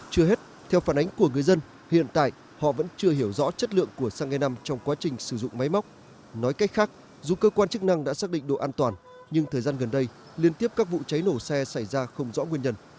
chưa hết theo phản ánh của người dân hiện tại họ vẫn chưa hiểu rõ chất lượng của xăng e năm trong quá trình sử dụng máy móc nói cách khác dù cơ quan chức năng đã xác định độ an toàn nhưng thời gian gần đây liên tiếp các vụ cháy nổ xe xảy ra không rõ nguyên nhân